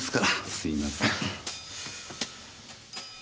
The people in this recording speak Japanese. すいません。